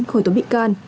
khởi tố bị can